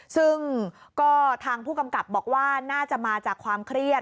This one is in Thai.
ซึ่งก็ทางผู้กำกับบอกว่าน่าจะมาจากความเครียด